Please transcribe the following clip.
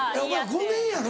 ５年やろ？